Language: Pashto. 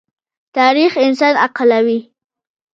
تاریخ انسان عاقلوي.